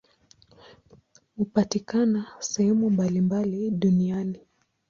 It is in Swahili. Hupatikana sehemu mbalimbali duniani.